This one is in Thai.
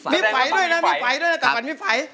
มีไฝด้วยนะกลับมามีไฝ